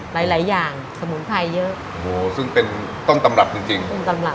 หลายหลายอย่างสมุนไพรเยอะโอ้โหซึ่งเป็นต้นตำรับจริงจริงต้นตำรับ